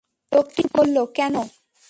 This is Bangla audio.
লোকটি বলল, কেন?